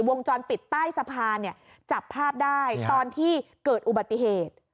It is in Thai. วงจรปิดใต้สะพานเนี่ยจับภาพได้ตอนที่เกิดอุบัติเหตุ